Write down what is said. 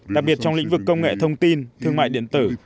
đặc biệt trong lĩnh vực công nghệ thông tin thương mại điện tử